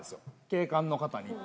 警官の方に。